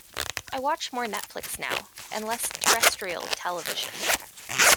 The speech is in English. I watch more Netflix now, and less terrestrial television